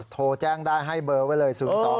โทรแจ้งได้ให้เบอร์ไว้เลย๐๒